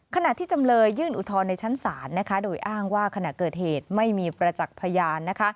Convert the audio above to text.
ขณะที่จำเลยยื่นอุทธรณ์ในชั้นศาลนะคะโดยอ้างว่าขณะเกิดเหตุไม่มีประจักษ์พยานนะคะ